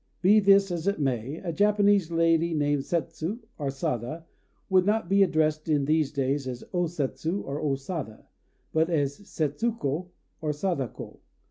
Be this as it may, a Japanese lady named Setsu or Sada would not be addressed in these days as O Setsu or O Sada, but as Setsuko or Sadako.